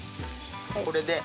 これで。